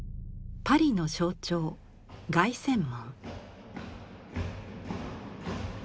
パリの象徴凱旋門。